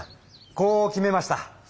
こう決めました。